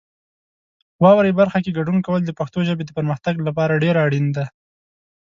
واورئ برخه کې ګډون کول د پښتو ژبې د پرمختګ لپاره ډېر اړین دی.